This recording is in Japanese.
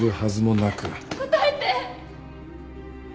答えて！